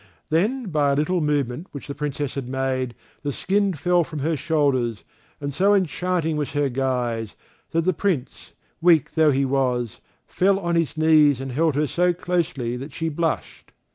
Then, by a little movement which the Princess made, the skin fell from her shoulders and so enchanting was her guise, that the Prince, weak though he was, fell on his knees and held her so closely that she blushed.